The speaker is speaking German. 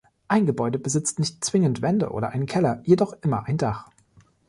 Ein Gebäude besitzt nicht zwingend Wände oder einen Keller, jedoch immer ein Dach.